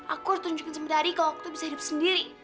aku harus tunjukin sama dadi kalau waktu bisa hidup sendiri